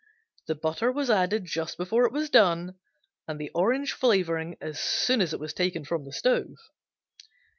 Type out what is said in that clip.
The butter was added just before it was done and the orange flavoring as soon as it was taken from the stove.